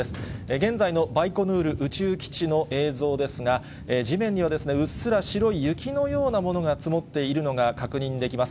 現在のバイコヌール宇宙基地の映像ですが、地面にはうっすら白い雪のようなものが積もっているのが確認できます。